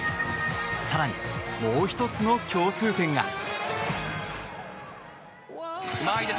更に、もう１つの共通点が。